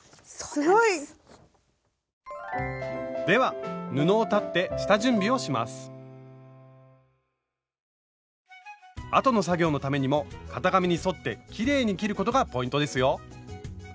すごい！ではあとの作業のためにも型紙に沿ってきれいに切ることがポイントですよ！